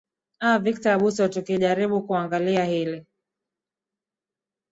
aa victor abuso tukijaribu kuangalia hili